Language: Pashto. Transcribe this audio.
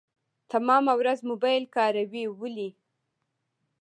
تمامه ورځ موبايل کاروي ولي .